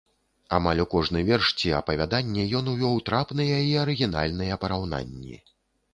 Амаль у кожны верш ці апавяданне ён увёў трапныя і арыгінальныя параўнанні.